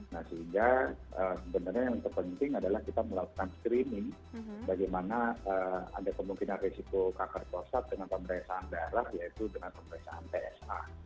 nah sehingga sebenarnya yang terpenting adalah kita melakukan screening bagaimana ada kemungkinan risiko kanker prostat dengan pemeriksaan darah yaitu dengan pemeriksaan tsa